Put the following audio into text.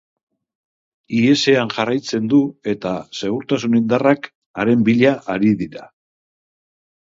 Ihesean jarraitzen du eta segurtasun indarrak haren bila ari dira.